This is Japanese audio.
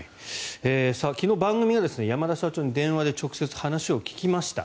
昨日、番組が山田社長に電話で直接話を聞きました。